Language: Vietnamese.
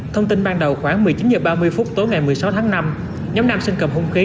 thông tin ban đầu khoảng một mươi chín h ba mươi phút tối ngày một mươi sáu tháng năm nhóm nam sinh cầm hung khí